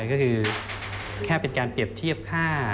ก็คือแค่เป็นการเปรียบเทียบค่า